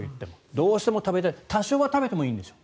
どうしても食べたい多少は食べてもいいんでしょう。